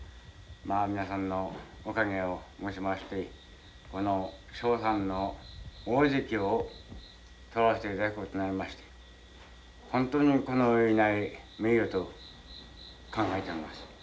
まあ皆さんのおかげをもちましてこの正三の大関を取らせていただくことになりまして本当にこの上ない名誉と考えてます。